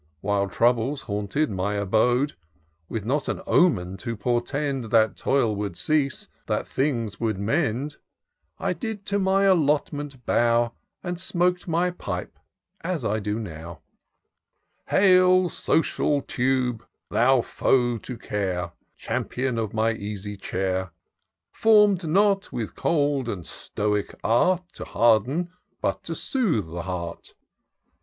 While troubles haunted my abode. With not an omen to portend That toil would cease, that things would mend, I did to my allotment bow, And smok'd my pipe as I do now. *' Hail, social tube ! thou foe to care ! Companion of my easy chair ! 350 TOUR OF DOCTOR SYNTAX Form'd not, with cold and Stoic art ! To harden, but to soothe the heart